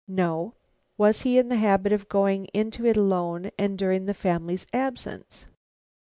"No." "Was he in the habit of going into it alone and during the family's absence?"